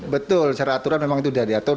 betul secara aturan memang itu sudah diatur